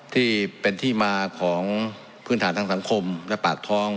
ที่เป็นที่มาของพื้นฐานทางสังคมและปากท้อง